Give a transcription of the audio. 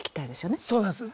そうなんです。